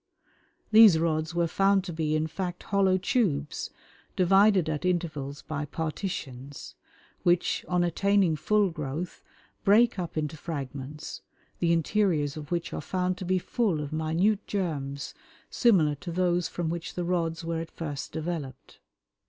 These rods were found to be in fact hollow tubes, divided at intervals by partitions, which, on attaining full growth, break up into fragments, the interiors of which are found to be full of minute germs similar to those from which the rods were at first developed.